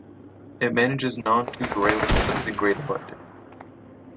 It manages non-tube rail systems in Greater London.